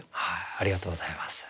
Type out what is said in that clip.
ありがとうございます。